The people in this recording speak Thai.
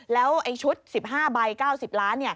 แล้วชุด๑๕ใบ๙๐ล้าน